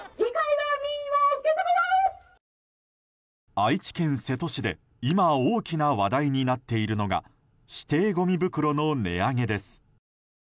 愛知県瀬戸市で今、大きな話題になっているのが指定ごみ袋の値上げです。